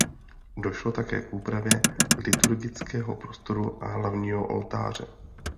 Došlo také k úpravě liturgického prostoru a hlavního oltáře.